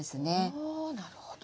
あなるほど。